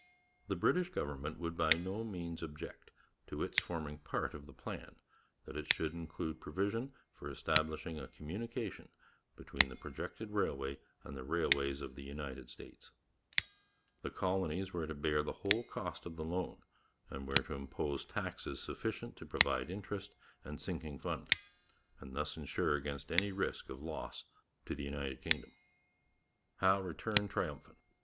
'The British Government would by no means object to its forming part of the plan that it should include provision for establishing a communication between the projected railway and the railways of the United States.' The colonies were to bear the whole cost of the loan, and were to impose taxes sufficient to provide interest and sinking fund, and thus ensure against any risk of loss to the United Kingdom. Howe returned triumphant.